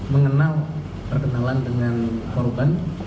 mengenal perkenalan dengan korban